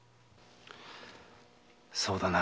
そうだな。